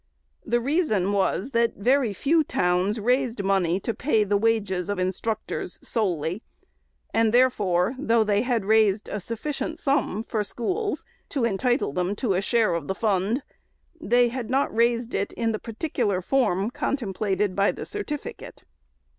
The reason was, that very few towns raised money " to pay the wages of in structors solely," and, therefore, though they had raised a sufficient sum for schools to entitle them to a share of the fund, they had not raised it in the particular form contemplated by the certificate.